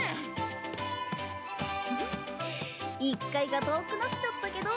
１階が遠くなっちゃったけど。